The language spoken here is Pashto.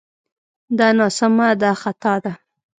دا ناسمه دا خطا ده